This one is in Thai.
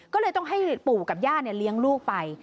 ก็เลยต้องให้ปู่กับย่าเลี้ยงลูกไป